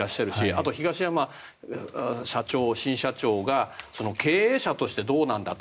あと、東山新社長が経営者としてどうなんだと。